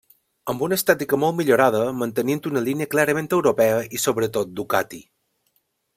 Amb una estètica molt millorada, mantenint una línia clarament europea i sobretot Ducati.